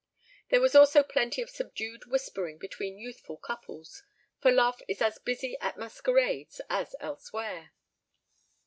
There was also plenty of subdued whispering between youthful couples; for Love is as busy at masquerades as elsewhere.